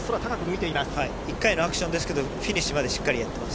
１回のアクションですけどフィニッシュまでしっかりとやっています。